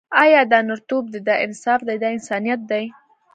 آیا دا نرتوب دی، دا انصاف دی، دا انسانیت دی.